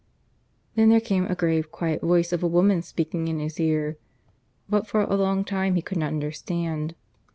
... Then there came a grave, quiet voice of a woman speaking in his ear; but for a long time he could not understand.